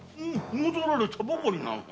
戻られたばかりなのに。